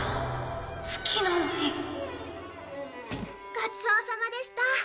ごちそうさまでした。